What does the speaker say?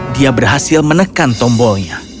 dia berhasil menekan tombolnya